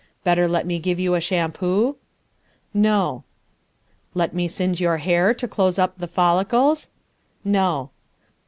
Better let me give you a shampoo?" "No." "Let me singe your hair to close up the follicles?" "No."